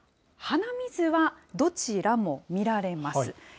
鼻水はどちらも見られます。